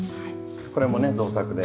これもね造作で。